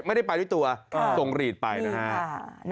ไม่ได้ไปด้วยตัวส่งหลีดไปนะครับ